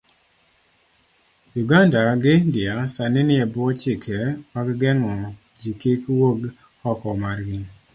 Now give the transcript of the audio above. Uganda gi India sani ni ebwo chike mag geng'o jikik wuog oko margi,